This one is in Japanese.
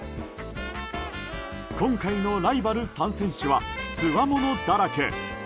今回のライバル３選手はつわものだらけ！